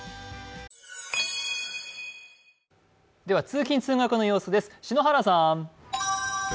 通勤・通学の様子です。